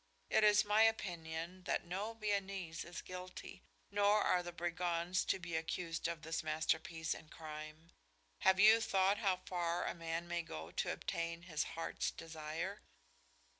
It is my opinion that no Viennese is guilty, nor are the brigands to be accused of this masterpiece in crime. Have you thought how far a man may go to obtain his heart's desire?"